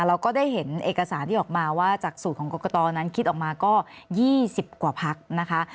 เราก็ได้เห็นเอกสารที่ออกมาว่าจากสูตรของกรกตนั้นคิดออกมาก็๒๐กว่าพักนะคะ